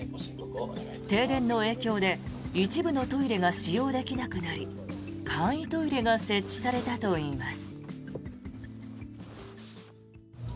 停電の影響で一部のトイレが使用できなくなり簡易トイレが設置されたといいます。